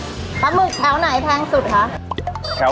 ปลาหมึกแถวไหนแพงสุดคะ